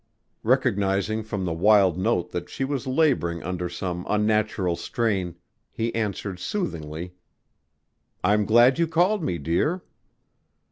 Recognizing from the wild note that she was laboring under some unnatural strain, he answered soothingly, "I'm glad you called me, dear."